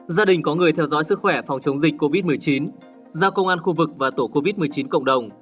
gia đình có người theo dõi sức khỏe phòng chống dịch covid một mươi chín giao công an khu vực và tổ covid một mươi chín cộng đồng